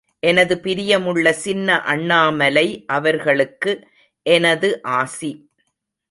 எனது பிரியமுள்ள சின்ன அண்ணாமலை அவர்களுக்கு எனது ஆசி.